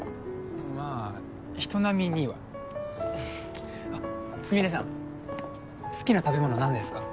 まあ人並みにはスミレさん好きな食べ物何ですか？